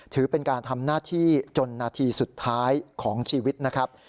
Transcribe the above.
ถือเป็นการทำหน้าที่จนนาทีสุดท้ายของชีวิตนะครับ